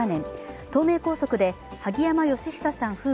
東名高速で萩山嘉久さん